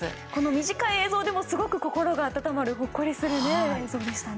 短い映像でもすごく心が温まるほっこりする映像でしたね。